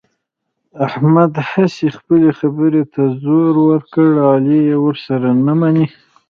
احمد هسې خپلې خبرې ته زور ور کړ، علي یې ورسره نه مني.